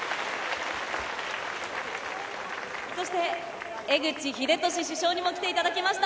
そして、江口英寿主将にも来ていただきました。